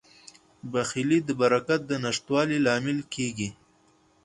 بخیلي د برکت د نشتوالي لامل کیږي.